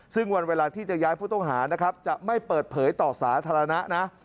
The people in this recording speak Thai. ซึ่งวันเวลาที่จะย้ายผู้ต้องหานะครับจะไม่เปิดเผยต่อสาธารณะนะ